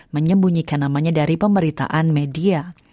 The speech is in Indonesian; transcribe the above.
menyembunyikan namanya dari pemerintahan media